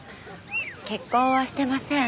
結婚はしてません。